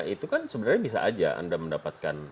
itu kan sebenarnya bisa aja anda mendapatkan